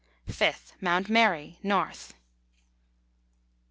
5th. Mount Mary, North.